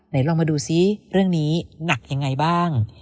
ลองมาดูซิเรื่องนี้หนักยังไงบ้าง